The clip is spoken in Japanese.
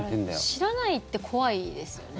知らないって怖いですよね。